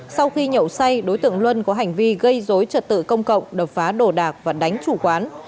sau khi nhậu say đối tượng luân có hành vi gây dối trật tự công cộng đập phá đồ đạc và đánh chủ quán